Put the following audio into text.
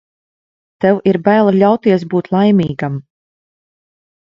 Tev ir bail ļauties būt laimīgam.